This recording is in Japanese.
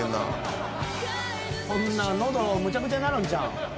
こんな喉むちゃくちゃになるんちゃう？